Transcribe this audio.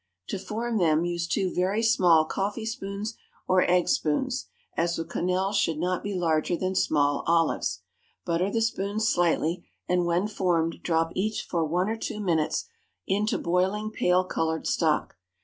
To form them use two very small coffeespoons or eggspoons, as the quenelles should not be larger than small olives; butter the spoons slightly, and when formed drop each for one or two minutes into boiling pale colored stock.